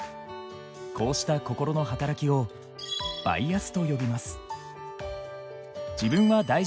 こうした心の働きをバイアスと呼びます。